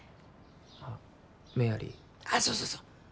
あっメアリーあっそうそうそう